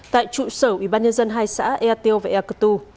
tại trụ sở ủy ban nhân dân hai xã ea tiêu và ea cơ tu